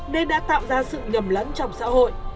nên đã tạo ra sự nhầm lẫn trong xã hội